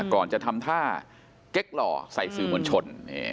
ก่อนจะทำท่าเก๊กหล่อใส่สื่อมวลชน